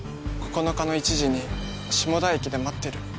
９日の１時に下田駅で待ってる。